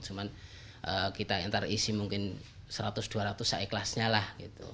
cuman kita ntar isi mungkin seratus dua ratus seikhlasnya lah gitu